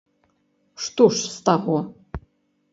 Што ж з таго!